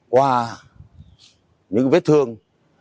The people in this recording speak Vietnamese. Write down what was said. qua những vết thương